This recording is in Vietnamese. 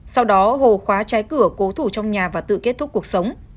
hàng a hồ đã tự tử trong nhà và tự kết thúc cuộc sống